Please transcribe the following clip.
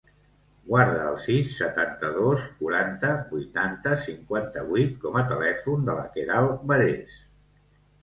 Guarda el sis, setanta-dos, quaranta, vuitanta, cinquanta-vuit com a telèfon de la Queralt Mares.